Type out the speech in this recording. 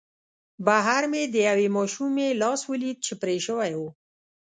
بهر مې د یوې ماشومې لاس ولید چې پرې شوی و